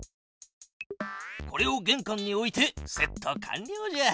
これをげんかんに置いてセット完りょうじゃ。